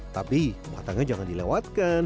tapi batangnya jangan dilewatkan